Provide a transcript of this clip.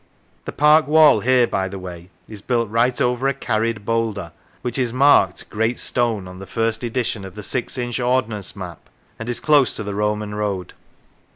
The park wall here, by the way, is built right over a carried boulder, which is marked " great stone " on the first edition of the six inch ordnance map, and is close to the Roman road.